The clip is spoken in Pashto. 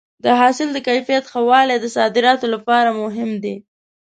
د حاصل د کیفیت ښه والی د صادراتو لپاره مهم دی.